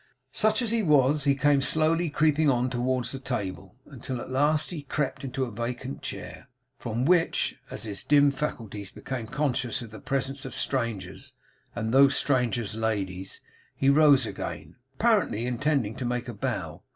Such as he was, he came slowly creeping on towards the table, until at last he crept into the vacant chair, from which, as his dim faculties became conscious of the presence of strangers, and those strangers ladies, he rose again, apparently intending to make a bow.